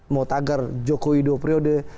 mau tagar jokowi dua periode